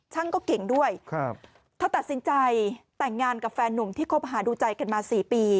ช่างก็เก่งด้วยถ้าตัดสินใจต่างานกับแฟนหนุ่มที่คบฮาดูใจกันมา๔ปี